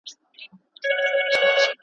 کمپيوټر کېش پاکوي.